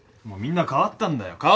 もうみんな変わったんだよ。